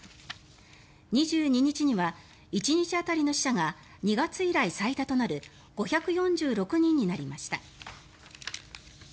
２２日には１日当たりの死者が２月以来最多となる５４６人になりました。